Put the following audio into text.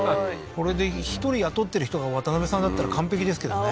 これで１人雇ってる人が渡辺さんだったら完璧ですけどね